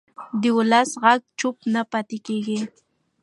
د ولس غږ چوپ نه پاتې کېږي